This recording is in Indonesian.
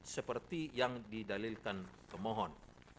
seperti yang didalilkan pemohon